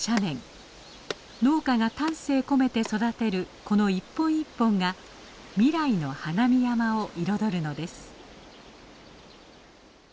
農家が丹精込めて育てるこの一本一本が未来の花見山を彩るのです。